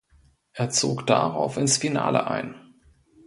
Er zog darauf ins Finale ein.